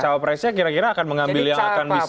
cawapresnya kira kira akan mengambil yang akan bisa